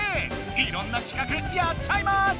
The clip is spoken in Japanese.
いろんな企画やっちゃいます！